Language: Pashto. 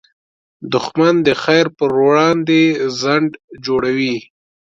دښمن د خیر پر وړاندې خنډ جوړوي